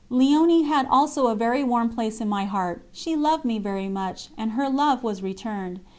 Léonie had also a very warm place in my heart; she loved me very much, and her love was returned.